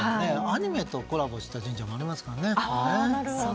アニメとコラボした神社もありますからね。